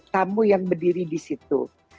tamu yang berdiri di situ